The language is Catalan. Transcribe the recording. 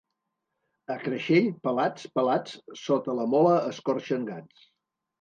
A Creixell, pelats, pelats, sota la mola escorxen gats.